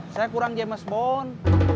saya kurang jemes mon